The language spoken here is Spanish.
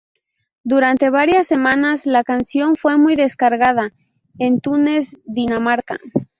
Durante varias semanas la canción fue muy descargada en iTunes Dinamarca.